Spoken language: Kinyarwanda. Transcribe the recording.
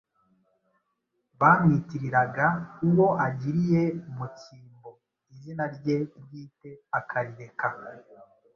bamwtiriraga uwo agiriye mu cyimbo, izina rye bwite akarireka,